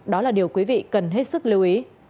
đó là điều quý vị cần hết sức lưu ý